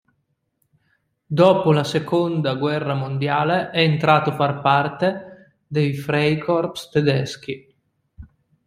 Dopo la seconda guerra mondiale è entrato a far parte dei Freikorps tedeschi.